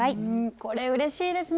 これうれしいですね。